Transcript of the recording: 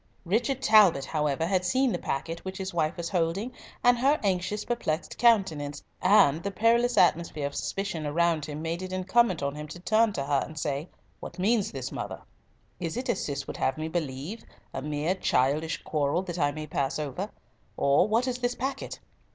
Richard Talbot, however, had seen the packet which his wife was holding, and her anxious, perplexed countenance, and the perilous atmosphere of suspicion around him made it incumbent on him to turn to her and say, "What means this, mother? Is it as Cis would have me believe, a mere childish quarrel that I may pass over? or what is this packet?"